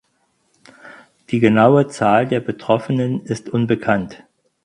Die genaue Zahl der Betroffenen ist unbekannt.